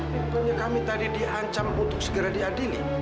pokoknya kami tadi di ancam untuk segera di adili